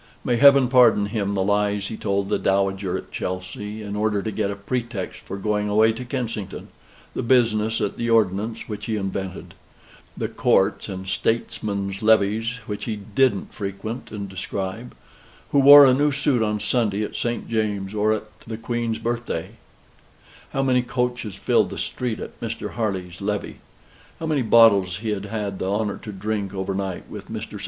May heaven pardon him the lies he told the Dowager at Chelsey, in order to get a pretext for going away to Kensington: the business at the Ordnance which he invented; the interview with his General, the courts and statesmen's levees which he DIDN'T frequent and describe; who wore a new suit on Sunday at St. James's or at the Queen's birthday; how many coaches filled the street at Mr. Harley's levee; how many bottles he had had the honor to drink over night with Mr. St.